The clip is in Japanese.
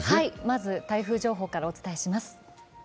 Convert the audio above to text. まず、台風情報からお伝えします。